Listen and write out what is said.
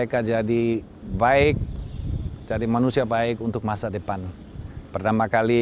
yakni papua football academy